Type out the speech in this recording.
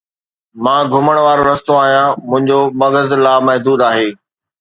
مان گھمڻ وارو رستو آھيان، منھنجو مغز لامحدود آھي